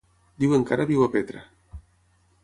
Diuen que ara viu a Petra.